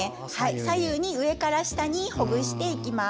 左右に、上から下にほぐしていきます。